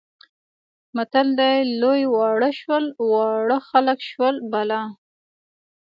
متل دی لوی واړه شول، واړه خلک شول بالا.